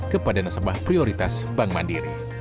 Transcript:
kepada nasabah prioritas bank mandiri